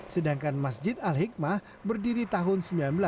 sedangkan masjid al hikmah berdiri tahun seribu sembilan ratus sembilan puluh